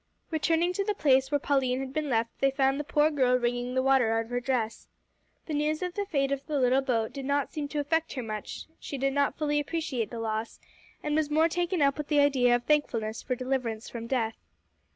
Returning to the place where Pauline had been left, they found the poor girl wringing the water out of her dress. The news of the fate of the little boat did not seem to affect her much, she did not fully appreciate the loss, and was more taken up with the idea of thankfulness for deliverance from death.